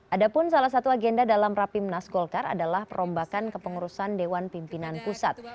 ada pun salah satu agenda dalam rapimnas golkar adalah perombakan kepengurusan dewan pimpinan pusat